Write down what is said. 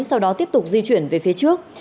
sau đó tiếp tục di chuyển về phía trước